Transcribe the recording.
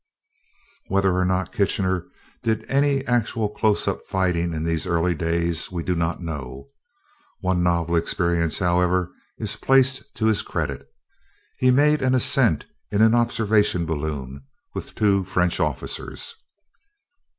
Whether or not Kitchener did any actual close up fighting in these early days we do not know. One novel experience, however, is placed to his credit. He made an ascent in an observation balloon, with two French officers.